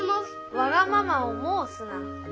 わがままを申すな。